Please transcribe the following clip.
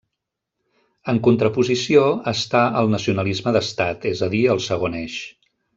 En contraposició està el nacionalisme d'Estat, és a dir, el segon eix.